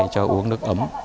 cho uống nước ấm